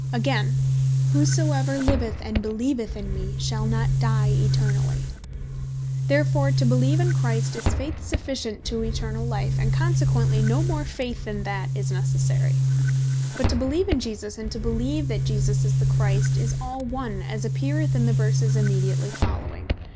Again, (John 11. 26.) "Whosoever liveth and beleeveth in mee, shall not die eternally," Therefore to beleeve in Christ, is faith sufficient to eternall life; and consequently no more faith than that is Necessary, But to beleeve in Jesus, and to beleeve that Jesus is the Christ, is all one, as appeareth in the verses immediately following.